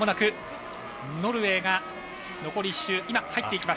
まもなく、ノルウェーが残り１周。